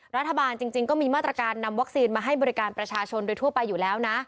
รัฐบาลจริงก็มีมาตรการนำวัคซีนมาให้บริการประชาชนโดยทั่วไปอยู่แล้วนะ